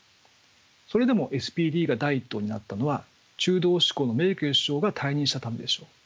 それでもＳＰＤが第一党になったのは中道志向のメルケル首相が退任したためでしょう。